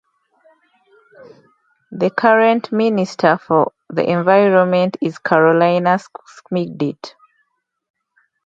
The current Minister for the Environment is Carolina Schmidt.